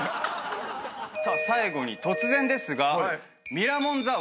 最後に突然ですが。